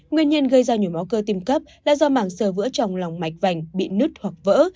nguyên nhân gây ra nhồi máu cơ tim cấp là do mảng sờ vỡ trong lòng mạch vành bị nứt hoặc vỡ